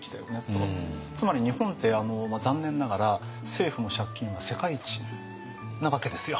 つまり日本って残念ながら政府の借金は世界一なわけですよ。